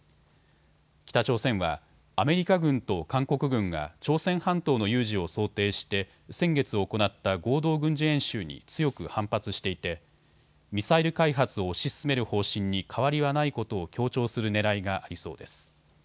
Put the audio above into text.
北朝鮮はアメリカ軍と韓国軍が朝鮮半島の有事を想定して先月、行った合同軍事演習に強く反発していてミサイル開発を推し進める方針に変わりはないことを強調するねらいがありそうです。